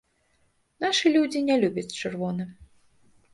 Нашы людзі не любяць чырвоны.